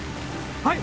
はい！